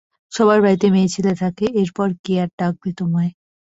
সবার বাড়িতে মেয়েছেলে থাকে, এর পর কে আর ডাকবে তোমায়?